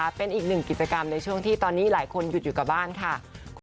เป็นอีกหนึ่งกิจกรรมในช่วงที่ตอนนี้หลายคนหยุดอยู่กับบ้านค่ะ